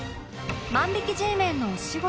万引き Ｇ メンのお仕事